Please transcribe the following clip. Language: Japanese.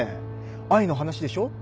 愛の話でしょ？